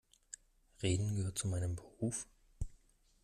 Reden gehört zu meinem Beruf.